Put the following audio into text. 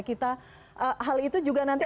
kita hal itu juga nanti